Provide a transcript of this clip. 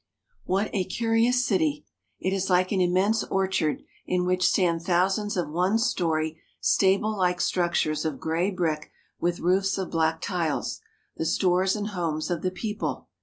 What a curious city ! It is like an immense orchard, in which stand thousands of one story stablelike structures of gray brick with roofs of black tiles, the stores and homes of the people.